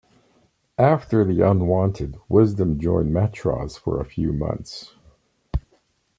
After the Unwanted, Wisdom joined Metroz for a few months.